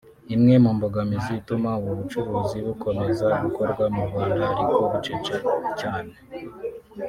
Imwe mu mbogamizi ituma ubu bucuruzi bukomeza gukorwa mu Rwanda ariko bucece cyane